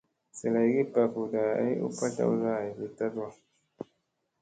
Zalaygi bak huda ay u patlawda ayi taɗu.